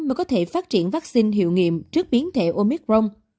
mới có thể phát triển vaccine hiệu nghiệm trước biến thể omicron